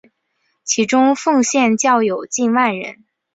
其中丰县教友近万人。